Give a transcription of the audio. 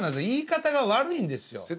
言い方が悪いんですよ。